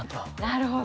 なるほど。